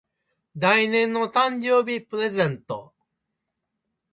来年の誕生日プレゼント